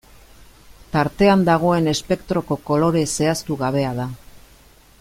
Tartean dagoen espektroko kolore zehaztu gabea da.